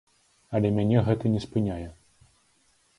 Але мяне гэта не спыняе.